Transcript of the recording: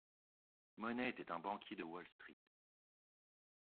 Monnet était un banquier de Wall-Street.